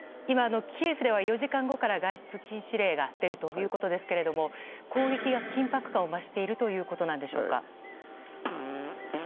今、キエフでは４時間後から外出禁止令が出るということですけれども攻撃が緊迫感を増しているということなんでしょうか。